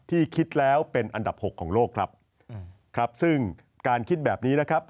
คิดแล้วเป็นอันดับหกของโลกครับครับซึ่งการคิดแบบนี้นะครับ